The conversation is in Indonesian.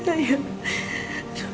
sampai sampai sembuh bu